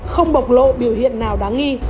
không bộc lộ biểu hiện nào đáng nghi